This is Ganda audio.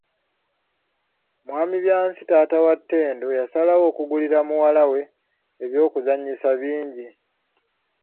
Mwami Byansi, taata wa Ttendo yasalawo okugulira muwala we eby'okuzanyisa bingi.